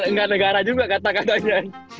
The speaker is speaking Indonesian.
nggak negara juga katakan aja